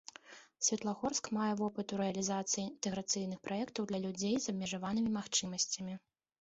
Светлагорск мае вопыт у рэалізацыі інтэграцыйных праектаў для людзей з абмежаванымі магчымасцямі.